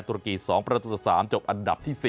รกี๒ประตูต่อ๓จบอันดับที่๔